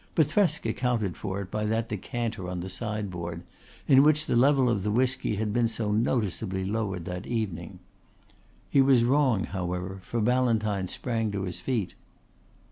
But Thresk accounted for it by that decanter on the sideboard, in which the level of the whisky had been so noticeably lowered that evening. He was wrong however, for Ballantyne sprang to his feet.